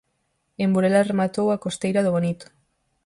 En Burela rematou a costeira do bonito.